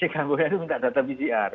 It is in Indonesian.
kampungnya itu minta data pcr